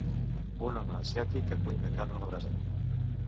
Un home asiàtic que cuina carn a la brasa.